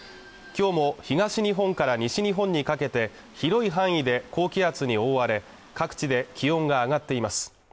今日も東日本から西日本にかけて広い範囲で高気圧に覆われ各地で気温が上がっています